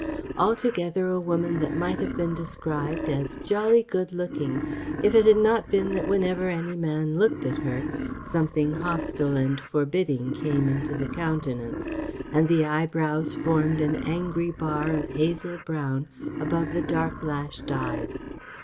Altogether a woman that might have been described as "jolly good looking," if it had not been that whenever any man looked at her something hostile and forbidding came into the countenance, and the eyebrows formed an angry bar of hazel brown above the dark lashed eyes.